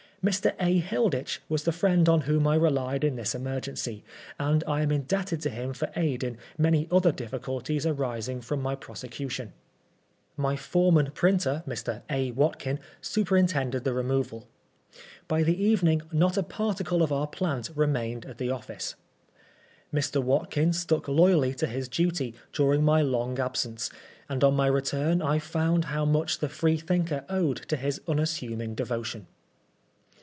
Mr. A. Hilditch was the friend on whom I relied in this emergency ; and I am indebted to him for aid in many other difficulties arising from my pro secution. My foreman printer, Mr. A. Watkin, super intended the removal. By the evening not a particle of our plant remained at the office. Mr, Watkin stuck loyally to his duty during my long absence, and on my return I found how much the Freethinker owed to his unassuming devotion.